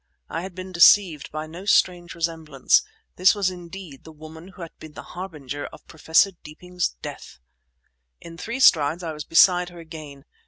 I had been deceived by no strange resemblance; this was indeed the woman who had been the harbinger of Professor Deeping's death. In three strides I was beside her again.